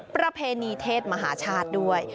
ประเพณีเทศมหาชาติด้วย